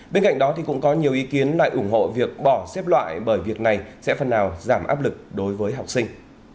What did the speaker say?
bên cạnh đó cũng có nhiều ý kiến lại ủng hộ việc bỏ xếp loại bởi việc này sẽ phần nào giảm áp lực đối với học sinh